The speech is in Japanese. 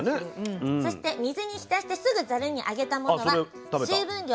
そして水に浸してすぐざるにあげたものは水分量１１０％